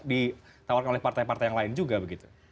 ditawarkan oleh partai partai yang lain juga begitu